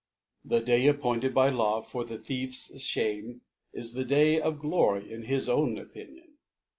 The Day appointed by Law for the Thief s Shame is the Day of Glory in his own Opinion.